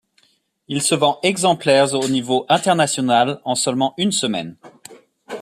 Il se vend exemplaires au niveau international, en seulement une semaine.